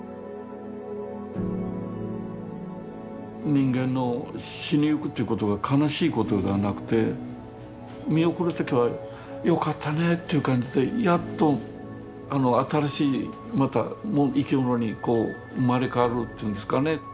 人間の死にゆくということが悲しいことではなくて見送る時はよかったねという感じでやっと新しいまた生き物にこう生まれ変わるというんですかね。